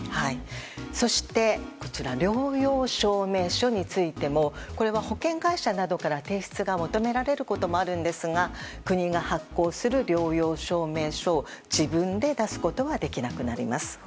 そして、療養証明書についてもこれは保険会社などから提出が求められることもあるんですが国が発行する療養証明書を自分で出すことができなくなります。